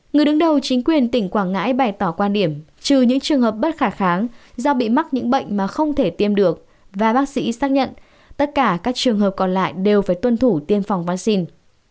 người đứng đầu chính quyền tỉnh quảng ngãi bày tỏ quan điểm trừ những trường hợp bất khả kháng do bị mắc những bệnh mà không thể tiêm được và bác sĩ xác nhận tất cả các trường hợp còn lại đều phải tuân thủ tiêm phòng vaccine